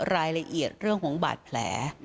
รายละเอียดเรื่องของบาดแผล